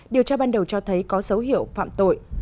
điều tra ban đầu cho thấy có dấu hiệu phạm tội